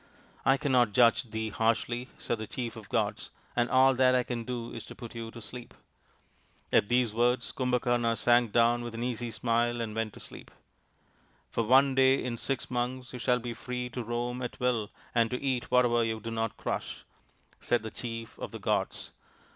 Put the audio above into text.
" I cannot judge thee harshly," said the chief of the gods, " and all that I can do is to put you to sleep." At these words Kumbhakarna sank down with an easy smile and went to sleep. 44 THE INDIAN STORY BOOK " For one day in six months you shall be free to roam at will and to eat whatever you do not crush/' said the chief of the gods.